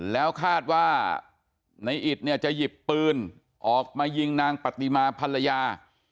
แล้วคาดว่าในอิตเนี่ยจะหยิบปืนออกมายิงนางปฏิมาภรรยา